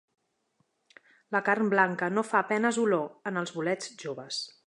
La carn blanca no fa a penes olor en els bolets joves.